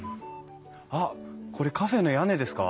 あっこれカフェの屋根ですか？